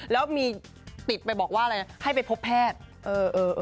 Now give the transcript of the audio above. แล้วมีติดไปบอกว่าอะไรนะให้ไปพบแพทย์